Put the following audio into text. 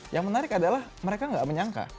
yang menarik adalah mereka nggak menyangka